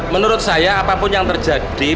menurut saya apapun yang terjadi